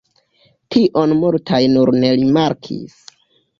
Tion multaj nur ne rimarkis.